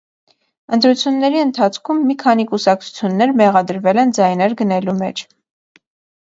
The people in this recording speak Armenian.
Ընտրությունների ընթացքում մի քանի կուսակցություններ մեղադրվել են ձայներ գնելու մեջ։